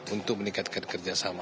untuk meningkatkan kerjasama